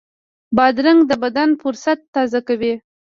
بادرنګ د بدن فُرصت تازه کوي.